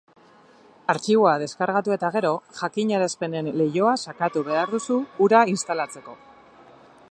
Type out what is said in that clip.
Artxiboa deskargatu eta gero, jakinarazpenen leihoa sakatu behar duzu, hura instalatzeko.